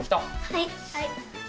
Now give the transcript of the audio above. はい。